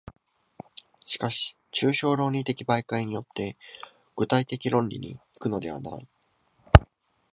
しかし抽象論理的媒介によって具体的論理に行くのではない。